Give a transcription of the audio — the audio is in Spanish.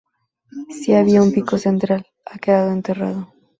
Si había un pico central, ha quedado enterrado.